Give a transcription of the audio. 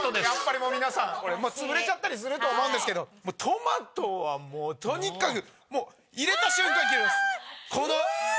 やっぱりもう皆さんこれつぶれちゃったりすると思うんですけどトマトはもうとにかくもう入れた瞬間に切れます。